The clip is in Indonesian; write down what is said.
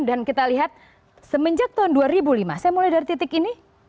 kita lihat semenjak tahun dua ribu lima saya mulai dari titik ini